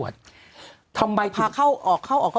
คุณหนุ่มกัญชัยได้เล่าใหญ่ใจความไปสักส่วนใหญ่แล้ว